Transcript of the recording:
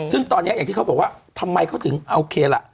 ซึ่งตอนนี้อย่างที่เขาบอกว่าทำไมเขาถึงโอเคล่ะ